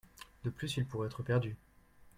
De plus, ils pourraient être perdus.